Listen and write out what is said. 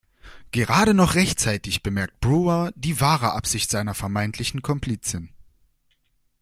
Gerade noch rechtzeitig bemerkt Brewer die wahre Absicht seiner vermeintlichen Komplizin.